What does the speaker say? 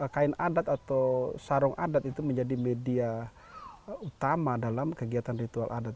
kain adat atau sarung adat itu menjadi media utama dalam kegiatan ritual adat